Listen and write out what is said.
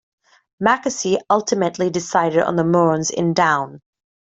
Macassey ultimately decided on the Mournes in Down.